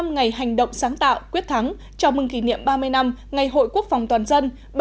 bảy mươi ngày hành động sáng tạo quyết thắng chào mừng kỷ niệm ba mươi năm ngày hội quốc phòng toàn dân